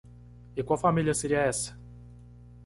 E qual família seria essa?